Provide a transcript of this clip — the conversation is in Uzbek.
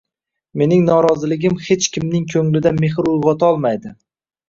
Mening noroziligim hech kimning ko`nglida mehr uyg`otolmadi